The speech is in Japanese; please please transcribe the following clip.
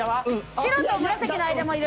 白と紫の間もいる。